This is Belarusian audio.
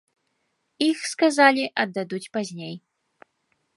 Іх, сказалі, аддадуць пазней.